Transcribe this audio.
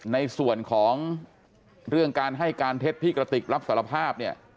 ในส่วนของเรื่องการให้การเท็จที่กระติกรับสารภาพเนี่ย